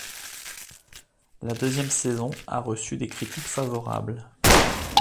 La deuxième saison a reçu des critiques favorables.